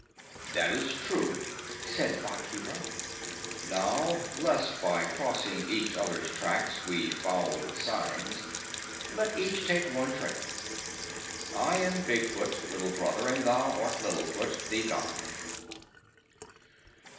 "That is true," said Bagheera. "Now, lest by crossing each other's tracks we foul the signs, let each take one trail. I am Big Foot, Little Brother, and thou art Little Foot, the Gond."